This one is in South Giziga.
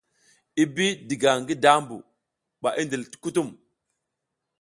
I bi diga ngi dambu ɓa i ndil kutum.